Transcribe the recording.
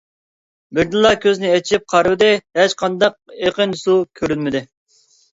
بىردىنلا كۆزىنى ئېچىپ قارىۋىدى، ھېچقانداق ئېقىن سۇ كۆرۈنمىدى.